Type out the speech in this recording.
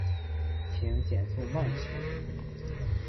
请减速慢行